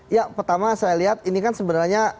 ya pertama saya lihat ini kan sebenarnya